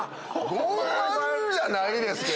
ごう慢じゃないですけど。